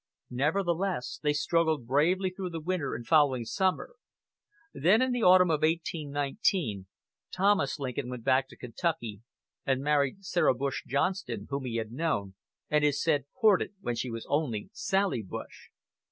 Nevertheless they struggled bravely through the winter and following summer; then in the autumn of 1819 Thomas Lincoln went back to Kentucky and married Sarah Bush Johnston, whom he had known, and it is said courted, when she was only Sally Bush.